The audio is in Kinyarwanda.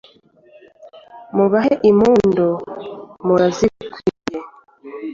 babahe impundu murazikwiye